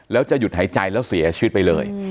แล้วจะหยุดหายใจแล้วเสียชีวิตไปเลย